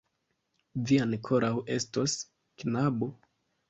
Vi ankoraŭ estos, knabo!